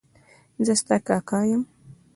زه ستا کاکا یم.